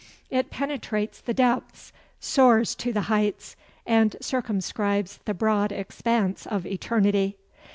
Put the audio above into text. It penetrates the depths, soars to the heights, and circumscribes the broad expanse of eternity.